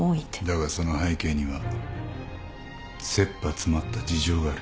だがその背景には切羽詰まった事情がある。